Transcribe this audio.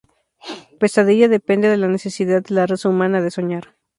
Pesadilla depende de la necesidad de la raza humana de soñar.